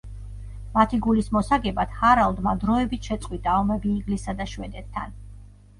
მათი გულის მოსაგებად, ჰარალდმა დროებით შეწყვიტა ომები ინგლისსა და შვედეთთან.